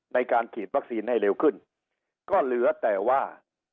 ในการฉีดวัคซีนให้เร็วขึ้นก็เหลือแต่ว่า